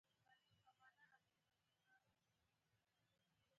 بيا به دعوې دنگلې وې.